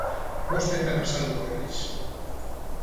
Bostetan azalduko naiz